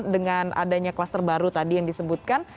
dengan adanya kluster baru tadi yang disebutkan